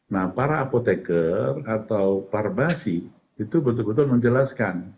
nah para apoteker atau parbasi itu betul betul menjelaskan